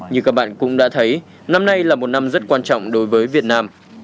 như các bạn cũng đã thấy năm nay là một năm rất quan trọng đối với việt nam